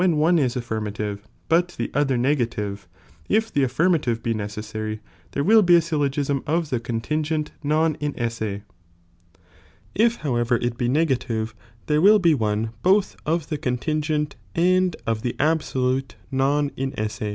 MiVt^r^ one is affirmative but the other negative, if the other contin affirmative be necessary there will be a syllogism gent premise. .•'..«^ i.^ of the contingent non messe ; it however it be negative, there will be one both of the contingent and of the absolute non inesse.